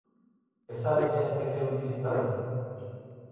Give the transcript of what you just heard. ¿E sabe que esqueceu dicir tamén?